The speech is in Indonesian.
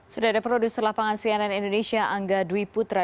sudah ada produser lapangan cnn indonesia angga dwi putra